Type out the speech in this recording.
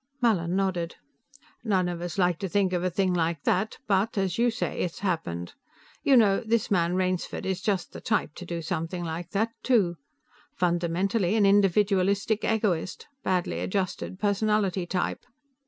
Mallin nodded. "None of us like to think of a thing like that, but, as you say, it's happened. You know, this man Rainsford is just the type to do something like that, too. Fundamentally an individualistic egoist; badly adjusted personality type.